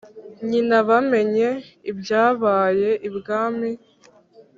nyina bamenye ibyabaye ibwami